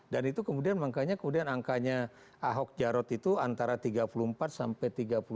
itu kemudian makanya kemudian angkanya ahok jarot itu antara tiga puluh empat sampai tiga puluh tujuh